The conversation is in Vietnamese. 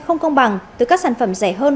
không công bằng từ các sản phẩm rẻ hơn